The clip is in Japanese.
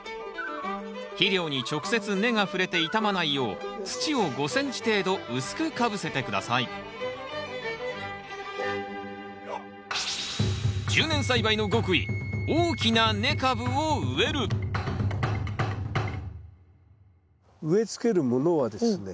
肥料に直接根が触れて傷まないよう土を５ｃｍ程度うすくかぶせて下さい植えつけるものはですね